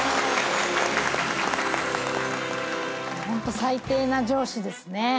ホント最低な上司ですね。